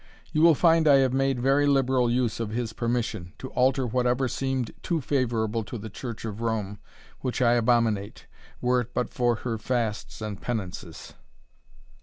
You will find I have made very liberal use of his permission, to alter whatever seemed too favourable to the Church of Rome, which I abominate, were it but for her fasts and penances.